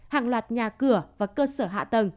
hàng loạt nhà cửa và cơ sở hạ tầng